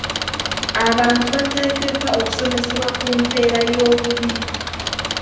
Abantu bateekeddwa okusomesebwa ku mpeera y'obubbi.